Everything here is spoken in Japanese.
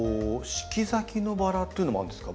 四季咲きのバラというのもあるんですか？